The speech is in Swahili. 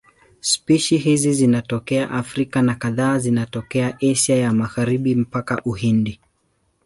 Spishi hizi zinatokea Afrika na kadhaa zinatokea Asia ya Magharibi mpaka Uhindi.